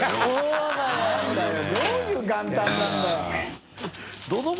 燭世どういう元旦なんだよ。